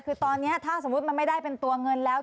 คือตอนนี้ถ้าสมมุติมันไม่ได้เป็นตัวเงินแล้ว